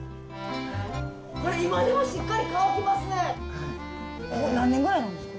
これ今でもしっかり乾きますね！